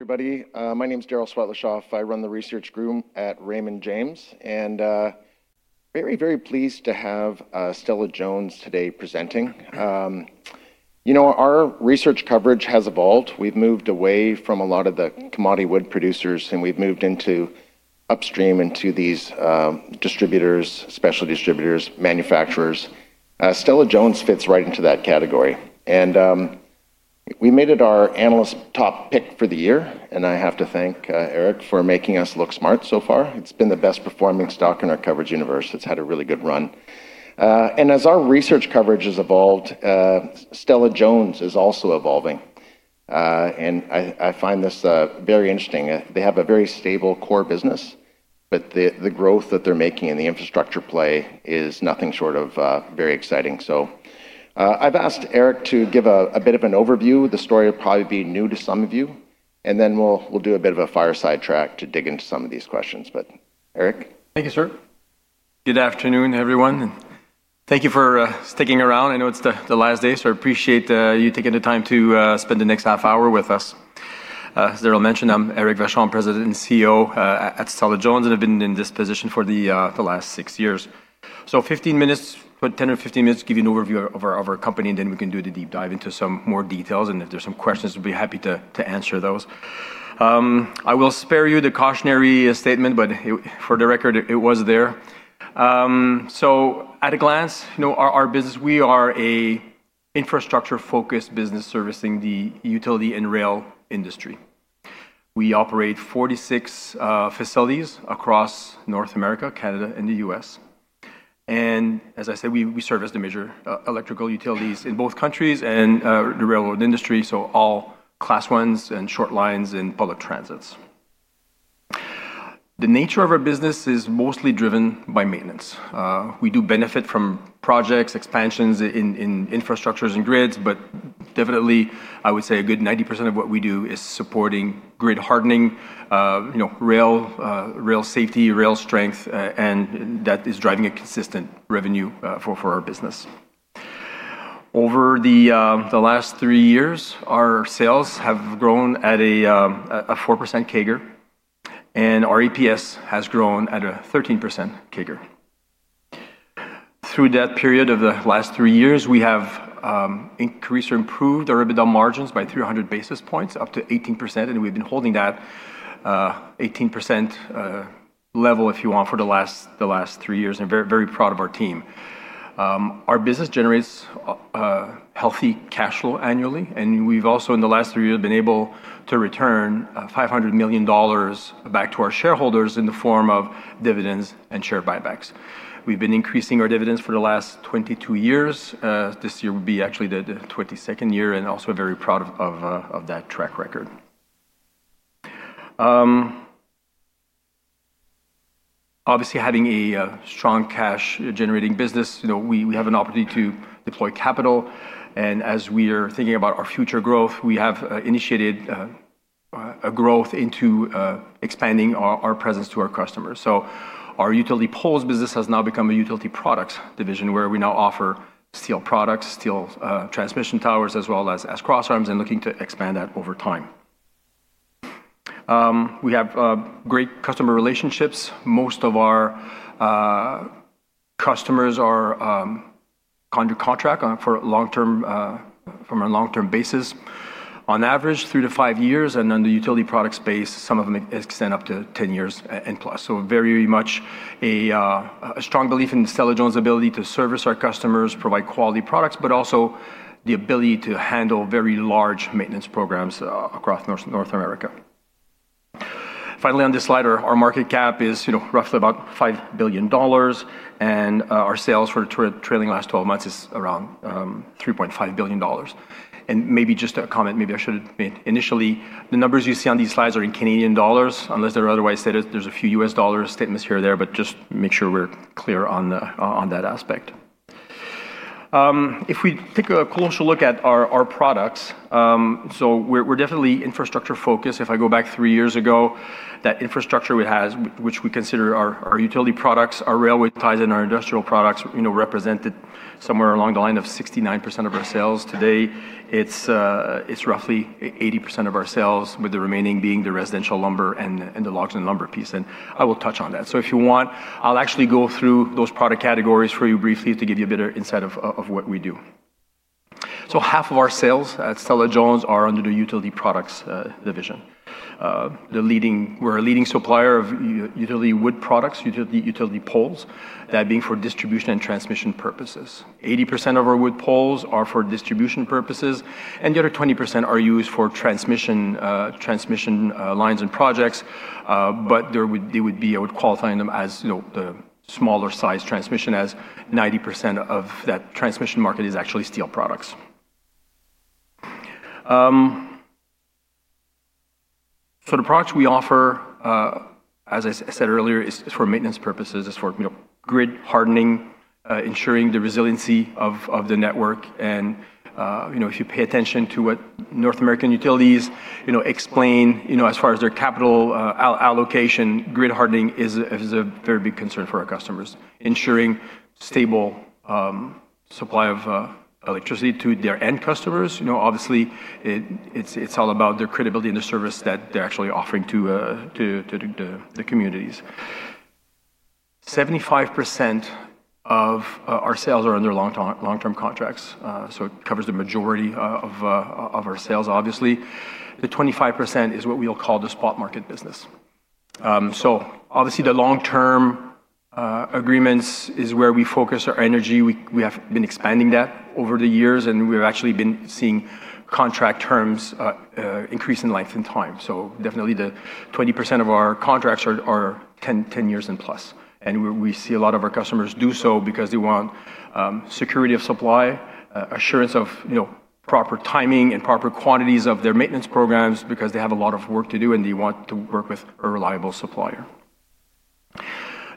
Everybody, my name's Daryl Swetlishoff. I run the research group at Raymond James, very, very pleased to have Stella-Jones today presenting. You know, our research coverage has evolved. We've moved away from a lot of the commodity wood producers, we've moved into upstream into these distributors, specialty distributors, manufacturers. Stella-Jones fits right into that category. We made it our analyst top pick for the year, I have to thank Eric for making us look smart so far. It's been the best-performing stock in our coverage universe. It's had a really good run. As our research coverage has evolved, Stella-Jones is also evolving. I find this very interesting. They have a very stable core business, but the growth that they're making in the infrastructure play is nothing short of very exciting. I've asked Eric to give a bit of an overview. The story will probably be new to some of you, and then we'll do a bit of a fireside chat to dig into some of these questions. Eric? Thank you, sir. Good afternoon, everyone, and thank you for sticking around. I know it's the last day, so I appreciate you taking the time to spend the next half hour with us. As Daryl mentioned, I'm Eric Vachon, President and CEO at Stella-Jones, and I've been in this position for the last six years. 15 minutes, about 10 or 15 minutes to give you an overview of our company, then we can do the deep dive into some more details, if there's some questions, we'd be happy to answer those. I will spare you the cautionary statement, but for the record, it was there. At a glance, you know, our business, we are a infrastructure-focused business servicing the utility and rail industry. We operate 46 facilities across North America, Canada, and the U.S. As I said, we service the major electrical utilities in both countries and the railroad industry, so all Class 1 and short lines and public transits. The nature of our business is mostly driven by maintenance. We do benefit from projects, expansions in infrastructures and grids, but definitely I would say a good 90% of what we do is supporting grid hardening, you know, rail safety, rail strength, and that is driving a consistent revenue for our business. Over the last three years, our sales have grown at a 4% CAGR, and our EPS has grown at a 13% CAGR. Through that period of the last three years, we have increased or improved our EBITDA margins by 300 basis points, up to 18%, and we've been holding that 18% level, if you want, for the last, the last three years, and very, very proud of our team. Our business generates a healthy cash flow annually, and we've also in the last three years been able to return 500 million dollars back to our shareholders in the form of dividends and share buybacks. We've been increasing our dividends for the last 22 years. This year will be actually the 22nd year, and also very proud of that track record. Obviously having a strong cash-generating business, you know, we have an opportunity to deploy capital, and as we are thinking about our future growth, we have initiated a growth into expanding our presence to our customers. Our utility poles business has now become a utility products division where we now offer steel products, steel transmission towers, as well as crossarms, and looking to expand that over time. We have great customer relationships. Most of our customers are under contract for long-term from a long-term basis. On average, three to five years, on the utility product space, some of them extend up to 10+ years. Very much a strong belief in Stella-Jones' ability to service our customers, provide quality products, but also the ability to handle very large maintenance programs across North America. Finally, on this slide, our market cap is, you know, roughly about 5 billion dollars, and our sales for trailing last 12 months is around 3.5 billion dollars. Maybe just a comment, maybe I should have made initially, the numbers you see on these slides are in Canadian dollars, unless they're otherwise stated. There's a few U.S. dollar statements here or there, but just make sure we're clear on that aspect. If we take a closer look at our products, so we're definitely infrastructure-focused. If I go back three years ago, that infrastructure we had, which we consider our utility products, our railway ties, and our industrial products, you know, represented somewhere along the line of 69% of our sales. Today, it's roughly 80% of our sales, with the remaining being the residential lumber and the logs and lumber piece, and I will touch on that. If you want, I'll actually go through those product categories for you briefly to give you a better insight of what we do. Half of our sales at Stella-Jones are under the utility products division. We're a leading supplier of utility wood products, utility poles, that being for distribution and transmission purposes. 80% of our wood poles are for distribution purposes, the other 20% are used for transmission lines and projects, but they would be, I would qualify them as, you know, the smaller-sized transmission as 90% of that transmission market is actually steel products. The products we offer, as I said earlier, is for maintenance purposes. It's for, you know, Grid Hardening, ensuring the resiliency of the network. You know, if you pay attention to what North American utilities, you know, explain, you know, as far as their capital all-allocation, Grid Hardening is a very big concern for our customers. Ensuring stable supply of electricity to their end customers. You know, obviously it's all about their credibility and the service that they're actually offering to the communities. 75% of our sales are under long-term contracts, so it covers the majority of our sales obviously. The 25% is what we'll call the spot market business. Obviously the long-term agreements is where we focus our energy. We have been expanding that over the years, and we've actually been seeing contract terms increase in length and time. Definitely the 20% of our contracts are 10+ years. We see a lot of our customers do so because they want security of supply, assurance of, you know, proper timing and proper quantities of their maintenance programs because they have a lot of work to do, and they want to work with a reliable supplier.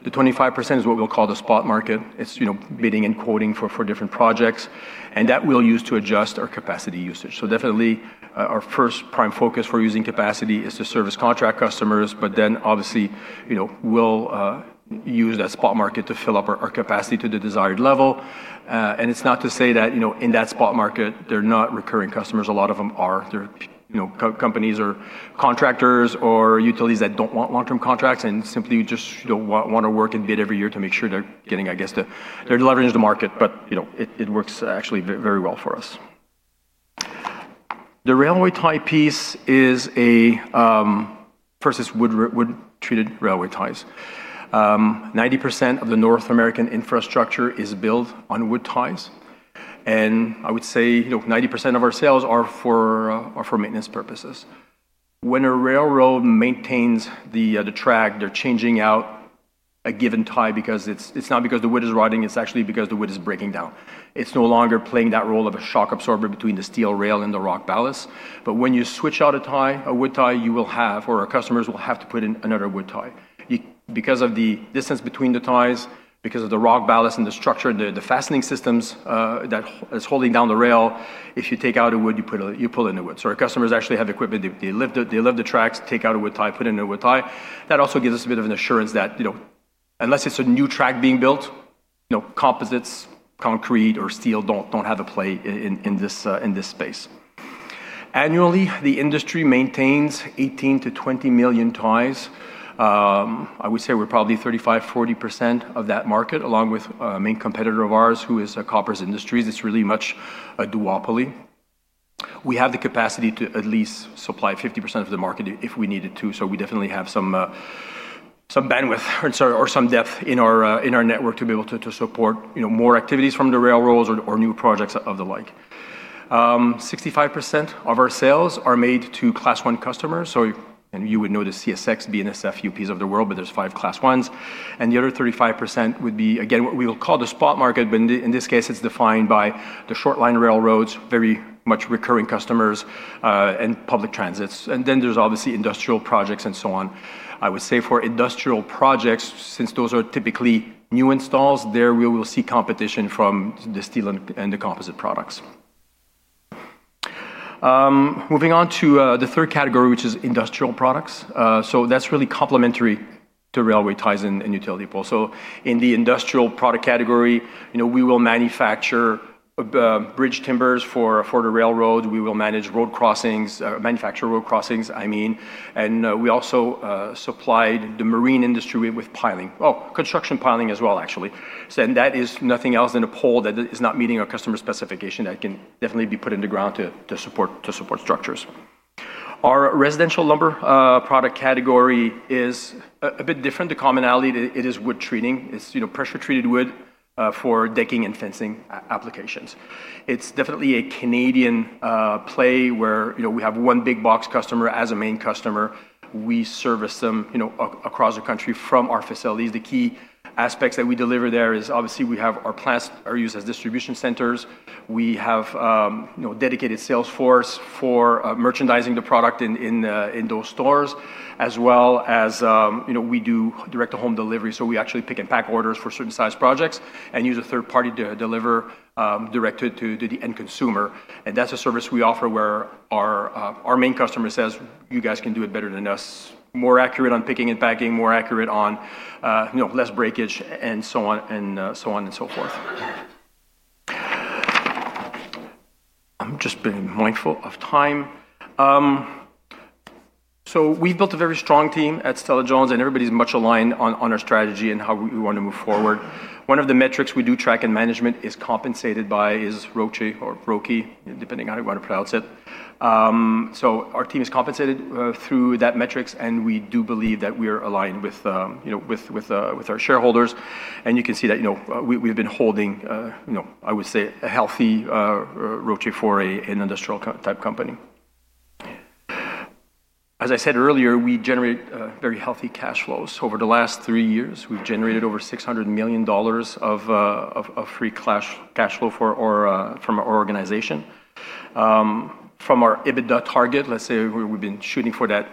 The 25% is what we'll call the spot market. It's, you know, bidding and quoting for different projects, and that we'll use to adjust our capacity usage. Definitely our first prime focus for using capacity is to service contract customers, but then obviously, you know, we'll use that spot market to fill up our capacity to the desired level. It's not to say that, you know, in that spot market, they're not recurring customers. A lot of them are. They're, you know, co-companies or contractors or utilities that don't want long-term contracts and simply just don't want to work and bid every year to make sure they're getting, I guess. They're leveraging the market. You know, it works actually very well for us. The railway tie piece is a versus wood treated railway ties. 90% of the North American infrastructure is built on wood ties. I would say, you know, 90% of our sales are for maintenance purposes. When a railroad maintains the track, they're changing out a given tie because It's not because the wood is rotting, it's actually because the wood is breaking down. It's no longer playing that role of a shock absorber between the steel rail and the rock ballast. When you switch out a tie, a wood tie, you will have, or our customers will have to put in another wood tie. Because of the distance between the ties, because of the Rock Ballast and the structure, the fastening systems that is holding down the rail, if you take out a wood, you put a new wood. Our customers actually have equipment. They lift the tracks, take out a wood tie, put in a new wood tie. That also gives us a bit of an assurance that, you know, unless it's a new track being built, you know, composites, concrete or steel don't have a play in this space. Annually, the industry maintains 18 million-20 million ties. I would say we're probably 35%-40% of that market, along with a main competitor of ours, who is Koppers Industries. It's really much a duopoly. We have the capacity to at least supply 50% of the market if we needed to, so we definitely have some bandwidth or sorry or some depth in our network to be able to support, you know, more activities from the railroads or new projects of the like. 65% of our sales are made to Class 1 customers. You would know the CSX, BNSF, UPs of the world, but there's five Class 1s. The other 35% would be, again, what we will call the spot market, but in this case, it's defined by the short line railroads, very much recurring customers, and public transits. Then there's obviously industrial projects and so on. I would say for industrial projects, since those are typically new installs, there we will see competition from the steel and the composite products. Moving on to the third category, which is industrial products. That's really complementary to railway ties and utility poles. In the industrial product category, you know, we will manufacture bridge timbers for the railroad. We will manage road crossings, manufacture road crossings, I mean. We also supplied the marine industry with piling. Oh, construction piling as well actually. That is nothing else than a pole that is not meeting our customer specification that can definitely be put in the ground to support structures. Our residential lumber product category is a bit different. The commonality, it is wood treating. It's, you know, pressure-treated wood for decking and fencing applications. It's definitely a Canadian play where, you know, we have one big box customer as a main customer. We service them, you know, across the country from our facilities. The key aspects that we deliver there is obviously we have our plants are used as distribution centers. We have, you know, dedicated sales force for merchandising the product in those stores, as well as, you know, we do direct-to-home delivery, so we actually pick and pack orders for certain size projects and use a third party to deliver direct to the end consumer. That's a service we offer where our main customer says, "You guys can do it better than us. More accurate on picking and packing, more accurate on, you know, less breakage, and so on and so forth. I'm just being mindful of time. We've built a very strong team at Stella-Jones, and everybody's much aligned on our strategy and how we want to move forward. One of the metrics we do track and management is compensated by is ROCE or ROCE, depending how you want to pronounce it. Our team is compensated through that metrics, and we do believe that we're aligned with, you know, with our shareholders. You can see that, you know, we've been holding, you know, I would say a healthy ROCE for an industrial co-type company. As I said earlier, we generate very healthy cash flows. Over the last three years, we've generated over 600 million dollars of free cash flow for our organization. From our EBITDA target, let's say we've been shooting for that,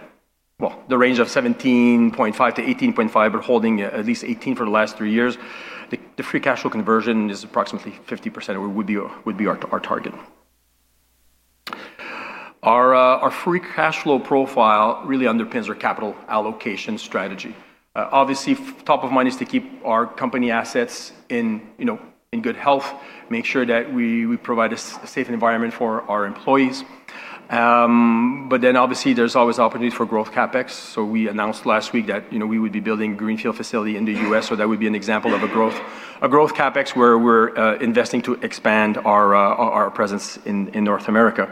well, the range of 17.5%-18.5%. We're holding at least 18% for the last three years. The free cash flow conversion is approximately 50% of what would be our target. Our free cash flow profile really underpins our capital allocation strategy. Obviously top of mind is to keep our company assets in, you know, in good health, make sure that we provide a safe environment for our employees. Obviously there's always opportunities for growth CapEx. We announced last week that, you know, we would be building greenfield facility in the U.S., so that would be an example of a growth CapEx where we're investing to expand our presence in North America.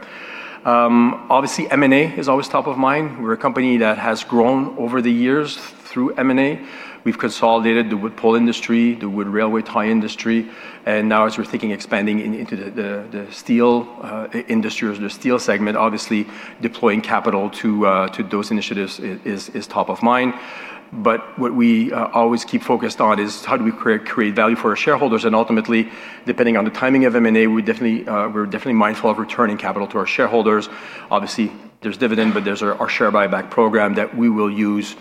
Obviously M&A is always top of mind. We're a company that has grown over the years through M&A. We've consolidated the wood pole industry, the wood railway tie industry, and now as we're thinking expanding into the steel industry or the steel segment, obviously deploying capital to those initiatives is top of mind. What we always keep focused on is how do we create value for our shareholders, and ultimately, depending on the timing of M&A, we're definitely mindful of returning capital to our shareholders. Obviously, there's dividend, there's our share buyback program that we will use,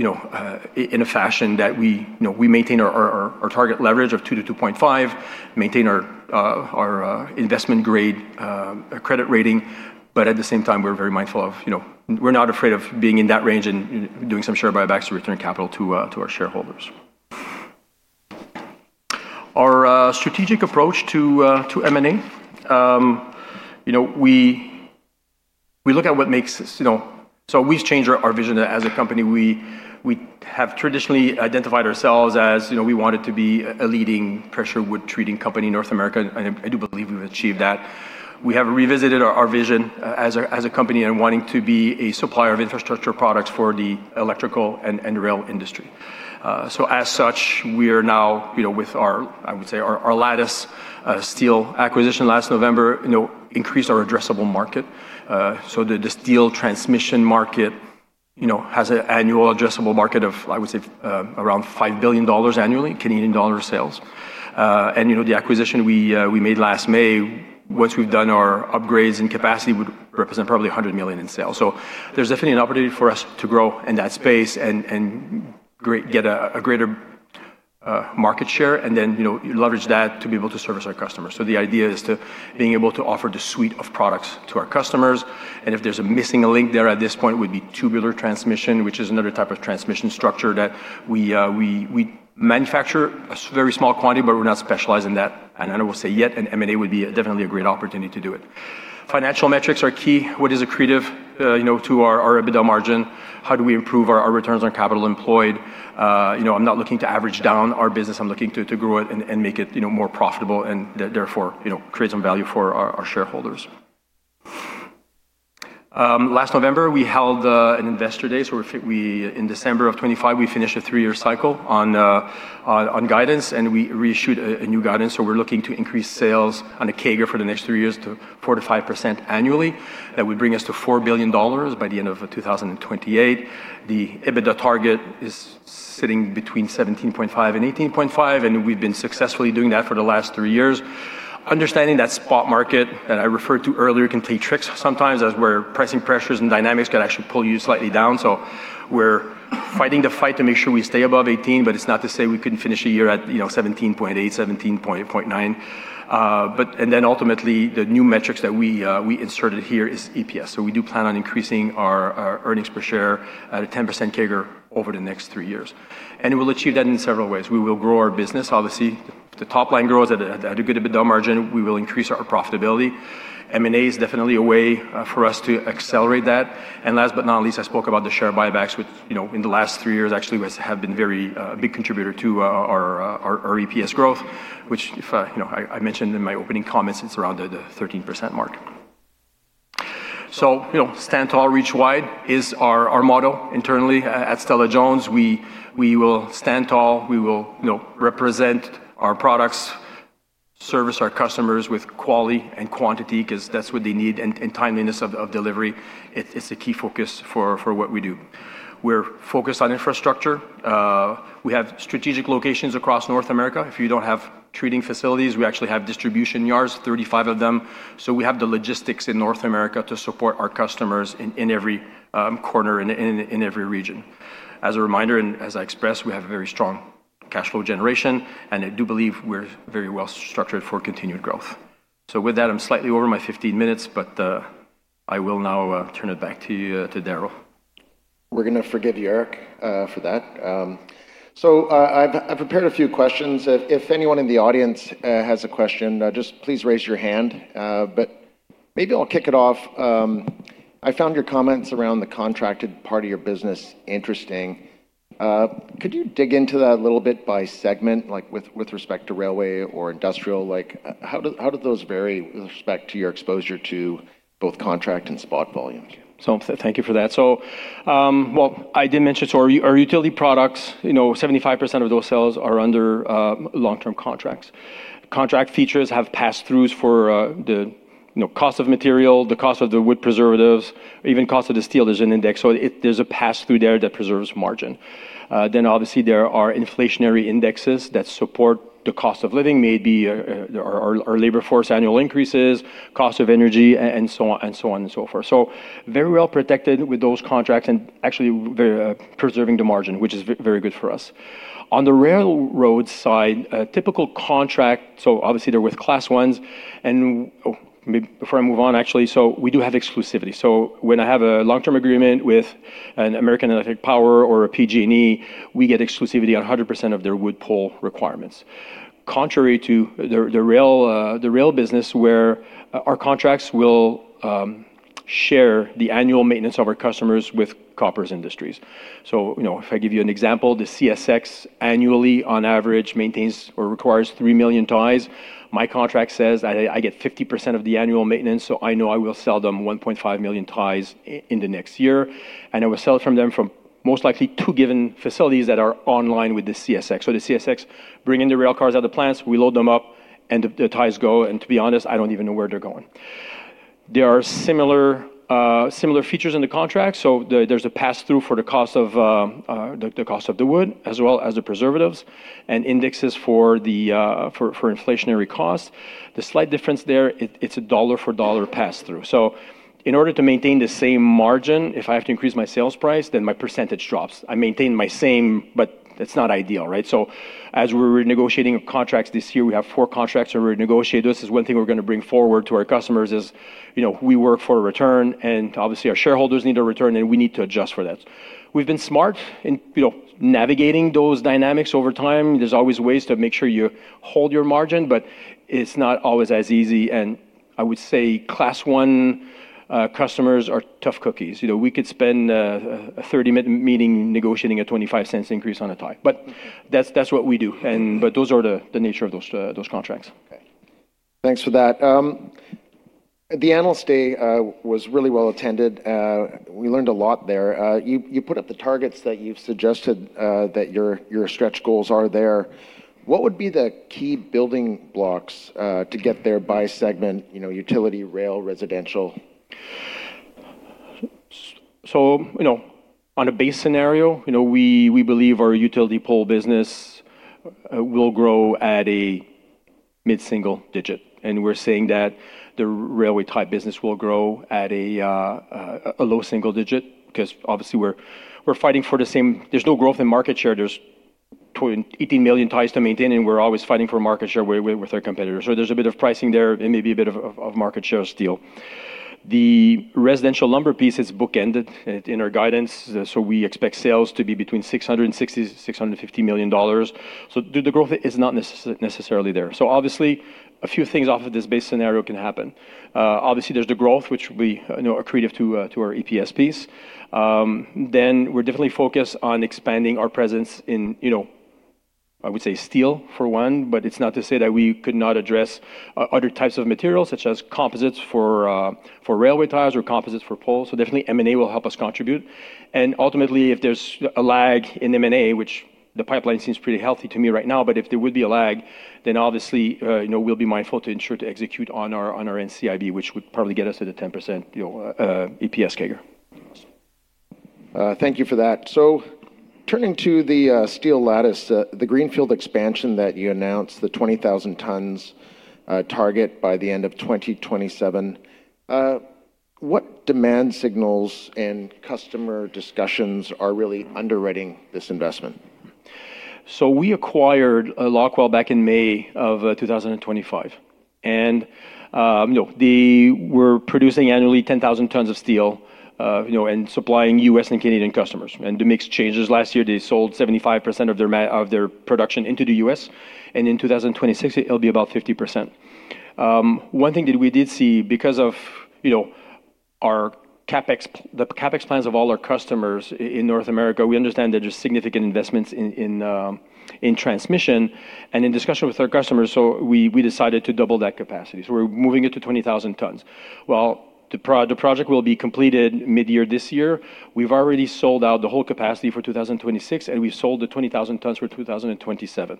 you know, in a fashion that we, you know, we maintain our target leverage of 2-2.5, maintain our Investment Grade credit rating, but at the same time, we're very mindful of, you know, we're not afraid of being in that range and doing some share buybacks to return capital to our shareholders. Our strategic approach to M&A, you know, we look at what makes you know... We've changed our vision as a company. We have traditionally identified ourselves as, you know, we wanted to be a leading pressure wood treating company in North America, and I do believe we've achieved that. We have revisited our vision as a company and wanting to be a supplier of infrastructure products for the electrical and rail industry. As such, we are now, you know, with our, I would say our Lattice steel acquisition last November, you know, increased our addressable market. The steel transmission market, you know, has a annual addressable market of, I would say, around 5 billion dollars annually, Canadian dollar sales. You know, the acquisition we made last May, once we've done our upgrades and capacity would represent probably 100 million in sales. There's definitely an opportunity for us to grow in that space and get a greater market share and then, you know, leverage that to be able to service our customers. The idea is to being able to offer the suite of products to our customers, and if there's a missing link there at this point, it would be tubular transmission, which is another type of transmission structure that we manufacture a very small quantity, but we're not specialized in that. I will say yet an M&A would be definitely a great opportunity to do it. Financial metrics are key. What is accretive, you know, to our EBITDA margin? How do we improve our returns on capital employed? You know, I'm not looking to average down our business. I'm looking to grow it and make it, you know, more profitable and therefore, you know, create some value for our shareholders. Last November, we held an investor day. In December of 2025, we finished a three-year cycle on guidance, and we reshoot a new guidance. We're looking to increase sales on a CAGR for the next three years to 4%-5% annually. That would bring us to 4 billion dollars by the end of 2028. The EBITDA target is sitting between 17.5% and 18.5%, and we've been successfully doing that for the last three years. Understanding that spot market that I referred to earlier can play tricks sometimes as where pricing pressures and dynamics can actually pull you slightly down. We're fighting the fight to make sure we stay above 18%, but it's not to say we couldn't finish a year at, you know, 17.8%, 17.9%. Ultimately, the new metrics that we inserted here is EPS. We do plan on increasing our earnings per share at a 10% CAGR over the next three years. We will achieve that in several ways. We will grow our business. Obviously, the top line grows at a good EBITDA margin. We will increase our profitability. M&A is definitely a way for us to accelerate that. Last but not least, I spoke about the share buybacks, which, you know, in the last three years actually have been very a big contributor to our EPS growth, which if, you know, I mentioned in my opening comments, it's around the 13% mark. you know, Stand Tall, Reach Wide is our motto internally at Stella-Jones. We will stand tall. We will, you know, represent our products, service our customers with quality and quantity 'cause that's what they need, and timeliness of delivery. It's a key focus for what we do. We're focused on infrastructure. We have strategic locations across North America. If you don't have treating facilities, we actually have distribution yards, 35 of them. We have the logistics in North America to support our customers in every corner, in every region. As a reminder, and as I expressed, we have a very strong cash flow generation. I do believe we're very well structured for continued growth. With that, I'm slightly over my 15 minutes, but I will now turn it back to Daryl. We're gonna forgive you, Eric, for that. I've prepared a few questions. If anyone in the audience has a question, just please raise your hand. Maybe I'll kick it off. I found your comments around the contracted part of your business interesting. Could you dig into that a little bit by segment, like with respect to railway or industrial? Like, how do those vary with respect to your exposure to both contract and spot volume? Thank you for that. Well, I did mention, so our utility products, you know, 75% of those sales are under long-term contracts. Contract features have pass-throughs for the, you know, cost of material, the cost of the wood preservatives, even cost of the steel. There's an index. There's a pass-through there that preserves margin. Obviously there are inflationary indexes that support the cost of living, maybe, our labor force annual increases, cost of energy, and so on, and so forth. Very well protected with those contracts and actually very preserving the margin, which is very good for us. On the railroad side, a typical contract, so obviously they're with Class 1s, and before I move on, actually, so we do have exclusivity. When I have a long-term agreement with an American Electric Power or a PG&E, we get exclusivity on 100% of their wood pole requirements. Contrary to the rail business where our contracts will share the annual maintenance of our customers with Koppers Industries. You know, if I give you an example, the CSX annually on average maintains or requires 3 million ties. My contract says that I get 50% of the annual maintenance, so I know I will sell them 1.5 million ties in the next year, and I will sell it from them from most likely two given facilities that are online with the CSX. The CSX bring in the rail cars at the plants, we load them up, and the ties go, and to be honest, I don't even know where they're going. There are similar features in the contract. There's a pass-through for the cost of the wood as well as the preservatives and indexes for inflationary costs. The slight difference there, it's a dollar for dollar pass-through. In order to maintain the same margin, if I have to increase my sales price, then my percentage drops. I maintain my same. It's not ideal, right? As we're renegotiating contracts this year, we have four contracts that we renegotiate. This is one thing we're gonna bring forward to our customers is, you know, we work for a return, and obviously our shareholders need a return, and we need to adjust for that. We've been smart in, you know, navigating those dynamics over time. There's always ways to make sure you hold your margin, but it's not always as easy. I would say Class 1 customers are tough cookies. You know, we could spend a 30-minute meeting negotiating a 0.25 increase on a tie. That's what we do and. Those are the nature of those contracts. Okay. Thanks for that. The Analyst Day was really well attended. We learned a lot there. You put up the targets that you've suggested, that your stretch goals are there. What would be the key building blocks to get there by segment, you know, utility, rail, residential? You know, on a base scenario, you know, we believe our utility pole business will grow at a mid-single digit. We're saying that the railway tie business will grow at a low single digit because obviously we're fighting for the same... There's no growth in market share. There's 18 million ties to maintain, and we're always fighting for market share with our competitors. There's a bit of pricing there and maybe a bit of market share steal. The residential lumber piece is bookended in our guidance. We expect sales to be between 660 million dollars, CAD 650 million. The growth is not necessarily there. Obviously, a few things off of this base scenario can happen. Obviously, there's the growth, which we, you know, accretive to our EPS piece. We're definitely focused on expanding our presence in, you know, I would say steel for one, but it's not to say that we could not address other types of materials, such as composites for railway ties or composites for poles. Definitely M&A will help us contribute. Ultimately, if there's a lag in M&A, which the pipeline seems pretty healthy to me right now, if there would be a lag, obviously, you know, we'll be mindful to ensure to execute on our NCIB, which would probably get us to the 10%, you know, EPS CAGR. Awesome. Thank you for that. Turning to the steel lattice, the greenfield expansion that you announced, the 20,000 tons target by the end of 2027, what demand signals and customer discussions are really underwriting this investment? We acquired Locweld back in May of 2025. You know, they were producing annually 10,000 tons of steel, you know, and supplying U.S. and Canadian customers. The mix changes. Last year, they sold 75% of their production into the U.S., and in 2026, it'll be about 50%. One thing that we did see because of, you know, our CapEx, the CapEx plans of all our customers in North America, we understand there are significant investments in transmission and in discussion with our customers, so we decided to double that capacity. We're moving it to 20,000 tons. Well, the project will be completed midyear this year. We've already sold out the whole capacity for 2026, and we've sold the 20,000 tons for 2027.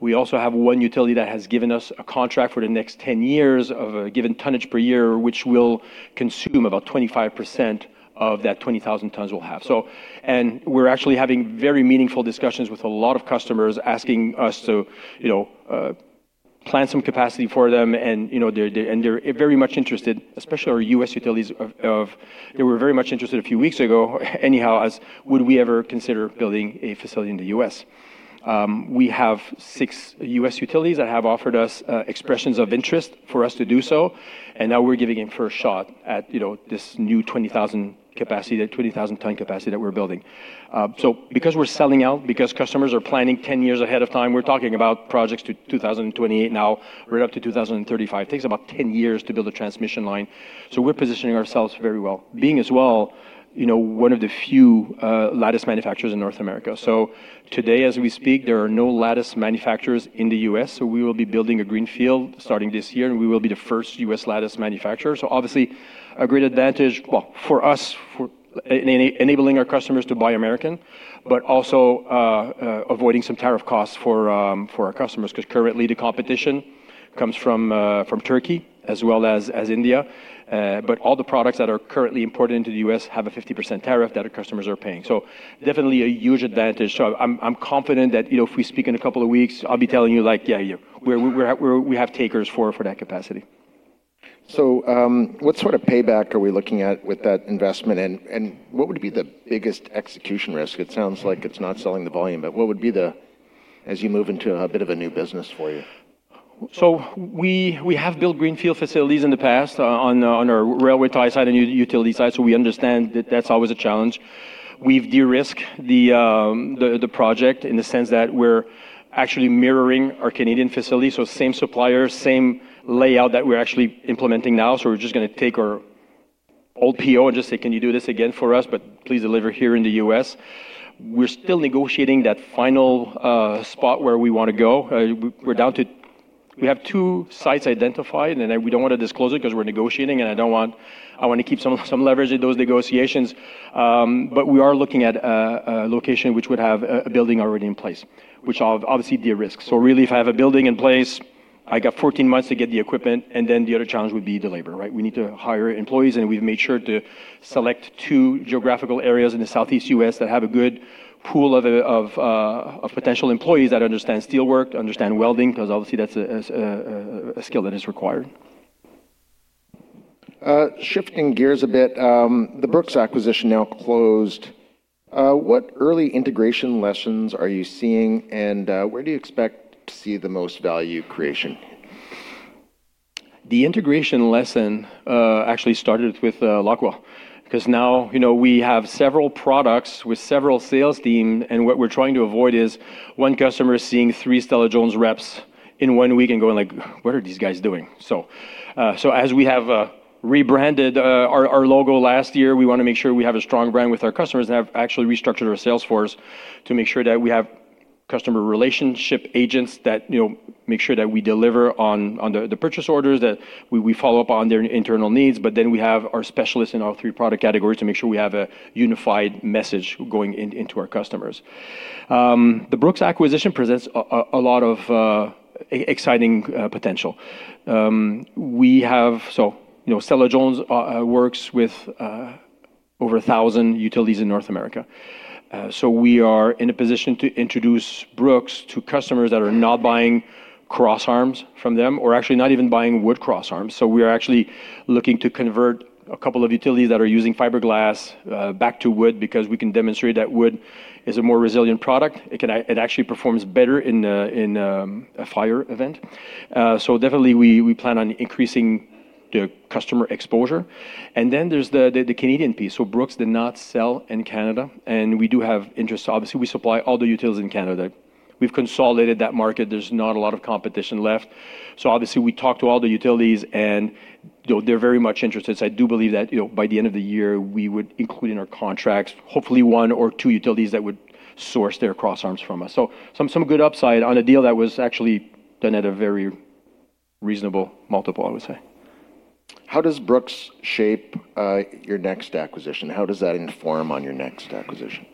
We also have one utility that has given us a contract for the next 10 years of a given tonnage per year, which will consume about 25% of that 20,000 tons we'll have. We're actually having very meaningful discussions with a lot of customers asking us to, you know, plan some capacity for them and, you know, they're very much interested, especially our U.S. utilities. They were very much interested a few weeks ago anyhow, as would we ever consider building a facility in the U.S. We have six U.S. utilities that have offered us expressions of interest for us to do so, now we're giving it a first shot at, you know, this new 20,000 capacity, that 20,000 ton capacity that we're building. Because we're selling out, because customers are planning 10 years ahead of time, we're talking about projects to 2028 now right up to 2035. It takes about 10 years to build a transmission line. We're positioning ourselves very well, being as well, you know, one of the few lattice manufacturers in North America. Today as we speak, there are no lattice manufacturers in the U.S. We will be building a greenfield starting this year, and we will be the first U.S. lattice manufacturer. Obviously a great advantage, well, for us for e-enabling our customers to buy American, but also, avoiding some tariff costs for our customers because currently the competition comes from Turkey as well as India. All the products that are currently imported into the U.S. have a 50% tariff that our customers are paying. Definitely a huge advantage. I'm confident that, you know, if we speak in a couple of weeks, I'll be telling you like, "Yeah, yeah. We're, we have takers for that capacity. What sort of payback are we looking at with that investment and what would be the biggest execution risk? It sounds like it's not selling the volume, but what would be the, as you move into a bit of a new business for you? We have built greenfield facilities in the past on our railway ties side and utility side. We understand that's always a challenge. We've de-risked the project in the sense that we're actually mirroring our Canadian facility. Same suppliers, same layout that we're actually implementing now. We're just going to take our old PO and just say, "Can you do this again for us. Please deliver here in the U.S." We're still negotiating that final spot where we want to go. We have two sites identified. We don't want to disclose it because we're negotiating. I want to keep some leverage in those negotiations. We are looking at a location which would have a building already in place, which obviously de-risks. Really if I have a building in place, I got 14 months to get the equipment, and then the other challenge would be the labor, right? We need to hire employees, and we've made sure to select two geographical areas in the Southeast U.S. that have a good pool of potential employees that understand steel work, understand welding, because obviously that's a skill that is required. Shifting gears a bit, the Brooks acquisition now closed. What early integration lessons are you seeing, and where do you expect to see the most value creation? The integration lesson, actually started with Locweld, because now, you know, we have several products with several sales team, and what we're trying to avoid is one customer seeing three Stella-Jones reps in one week and going like, "What are these guys doing?" As we have rebranded our logo last year, we wanna make sure we have a strong brand with our customers and have actually restructured our sales force to make sure that we have customer relationship agents that, you know, make sure that we deliver on the purchase orders, that we follow up on their internal needs. We have our specialists in all three product categories to make sure we have a unified message going into our customers. The Brooks acquisition presents a lot of exciting potential. We have... You know, Stella-Jones works with over 1,000 utilities in North America. We are in a position to introduce Brooks to customers that are not buying crossarms from them or actually not even buying wood crossarms. We are actually looking to convert a couple of utilities that are using fiberglass back to wood because we can demonstrate that wood is a more resilient product. It actually performs better in a fire event. Definitely we plan on increasing the customer exposure. Then there's the Canadian piece. Brooks did not sell in Canada, and we do have interest. Obviously, we supply all the utilities in Canada. We've consolidated that market. There's not a lot of competition left. Obviously we talk to all the utilities and they're very much interested. I do believe that, you know, by the end of the year, we would include in our contracts, hopefully one or two utilities that would source their crossarms from us. Some good upside on a deal that was actually done at a very reasonable multiple, I would say. How does Brooks shape, your next acquisition? How does that inform on your next acquisition?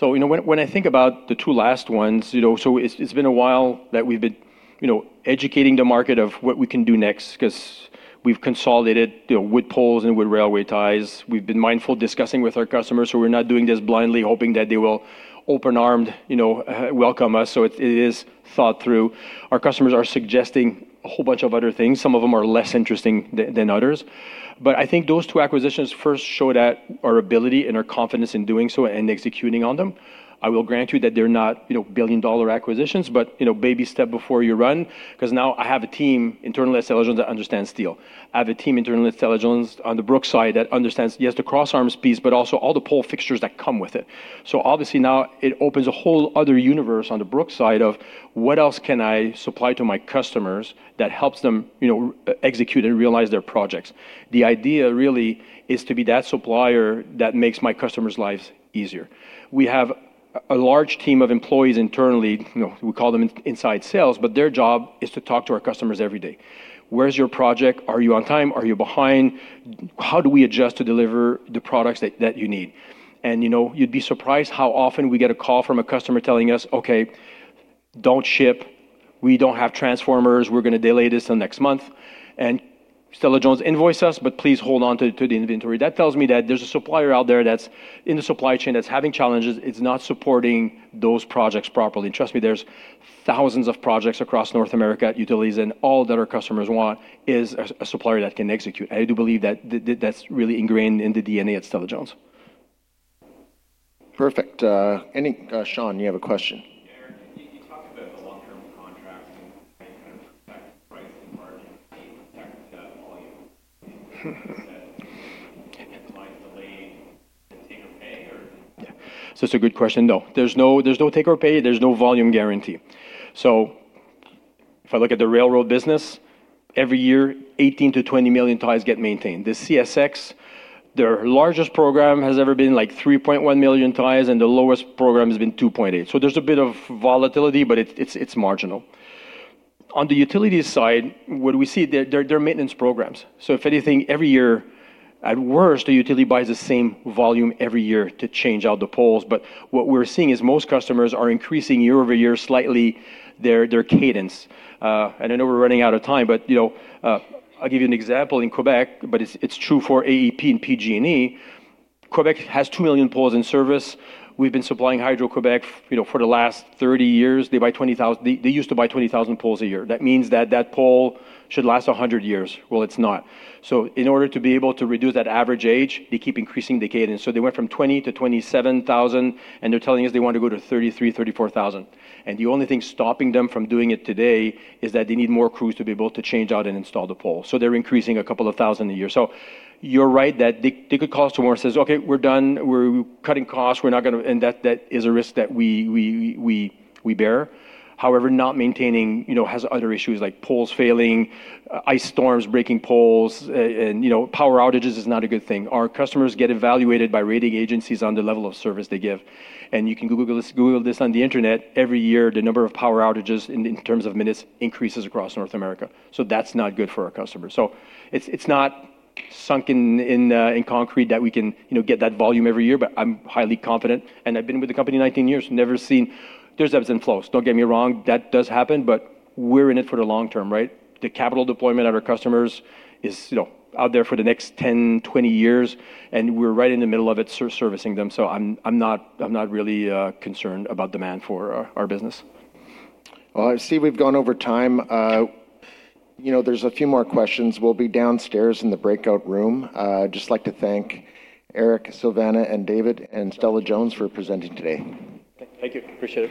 You know, when I think about the two last ones, you know, it's been a while that we've been, you know, educating the market of what we can do next 'cause we've consolidated, you know, wood poles and wood railway ties. We've been mindful discussing with our customers, we're not doing this blindly hoping that they will open-armed, you know, welcome us. It is thought through. Our customers are suggesting a whole bunch of other things. Some of them are less interesting than others. I think those two acquisitions first show that our ability and our confidence in doing so and executing on them. I will grant you that they're not, you know, billion-dollar acquisitions, you know, baby step before you run. Now I have a team internal at Stella-Jones that understands steel. I have a team internal at Stella-Jones on the Brooks side that understands, yes, the crossarms piece, but also all the pole fixtures that come with it. Obviously now it opens a whole other universe on the Brooks side of what else can I supply to my customers that helps them, you know, execute and realize their projects. The idea really is to be that supplier that makes my customers' lives easier. We have a large team of employees internally, you know, we call them inside sales, but their job is to talk to our customers every day. Where's your project? Are you on time? Are you behind? How do we adjust to deliver the products that you need? You'd be surprised how often we get a call from a customer telling us, "Okay, don't ship. We don't have transformers. We're gonna delay this till next month. Stella-Jones invoice us, but please hold on to the inventory. That tells me that there's a supplier out there that's in the supply chain that's having challenges, it's not supporting those projects properly. Trust me, there's thousands of projects across North America, utilities, and all that our customers want is a supplier that can execute. I do believe that's really ingrained in the DNA at Stella-Jones. Perfect. Sean, you have a question? Eric, you talked about the long-term contracts and kind of protect pricing margin, how you protect that volume. That client delaying the take-or-pay. Yeah. It's a good question. No. There's no take or pay, there's no volume guarantee. If I look at the railroad business, every year 18 million to 20 million ties get maintained. The CSX, their largest program has ever been like 3.1 million ties and the lowest program has been 2.8 million. There's a bit of volatility, but it's marginal. On the utility side, what we see, they're maintenance programs. If anything, every year at worst, a utility buys the same volume every year to change out the poles. What we're seeing is most customers are increasing year-over-year slightly their cadence. I know we're running out of time, but, you know, I'll give you an example in Quebec, but it's true for AEP and PG&E. Quebec has 2 million poles in service. We've been supplying Hydro-Québec, you know, for the last 30 years. They used to buy 20,000 poles a year. That means that that pole should last 100 years. Well, it's not. In order to be able to reduce that average age, they keep increasing the cadence. They went from 20,000 to 27,000 poles, and they're telling us they want to go to 33,000-34,000 poles. The only thing stopping them from doing it today is that they need more crews to be able to change out and install the poles. You're right that they could call tomorrow and says, "Okay, we're done. We're cutting costs. We're not gonna..." That is a risk that we bear. However, not maintaining, you know, has other issues like poles failing, ice storms breaking poles, and, you know, power outages is not a good thing. Our customers get evaluated by rating agencies on the level of service they give. You can Google this, Google this on the internet, every year the number of power outages in terms of minutes increases across North America. That's not good for our customers. It's, it's not sunken in concrete that we can, you know, get that volume every year, but I'm highly confident, and I've been with the company 19 years, never seen... There's ebbs and flows, don't get me wrong, that does happen, but we're in it for the long term, right? The capital deployment of our customers is, you know, out there for the next 10, 20 years, and we're right in the middle of it servicing them. I'm not really concerned about demand for our business. Well, I see we've gone over time. you know, there's a few more questions. We'll be downstairs in the breakout room. just like to thank Eric, Silvana, and David and Stella-Jones for presenting today. Thank you. Appreciate it.